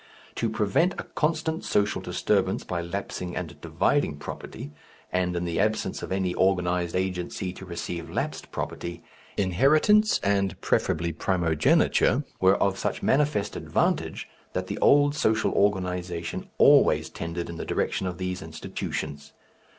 To prevent a constant social disturbance by lapsing and dividing property, and in the absence of any organized agency to receive lapsed property, inheritance and preferably primogeniture were of such manifest advantage that the old social organization always tended in the direction of these institutions.